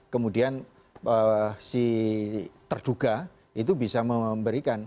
kemudian si terduga itu bisa memberikan